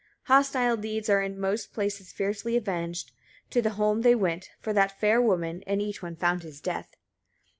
14. Hostile deeds are in most places fiercely avenged. To the holm they went, for that fair woman, and each one found his death.